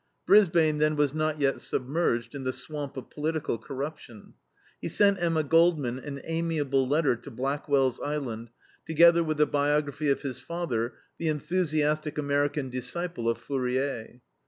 Brisbane then was not yet submerged in the swamp of political corruption. He sent Emma Goldman an amiable letter to Blackwell's Island, together with the biography of his father, the enthusiastic American disciple of Fourier.